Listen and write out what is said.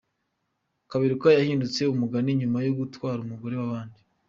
Kaberuka yahindutse umugani nyuma yo gutwara umugore w’abandi.